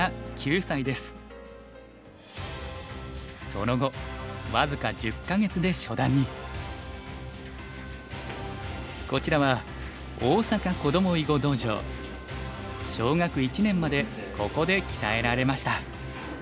その後僅かこちらは小学１年までここで鍛えられました。